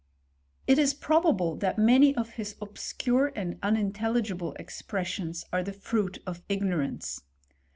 It is probable that many of his obscure and unin telligible expressions are the fruit of ignorance.